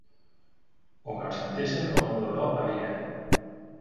O que el sentissin com un dolor aliè.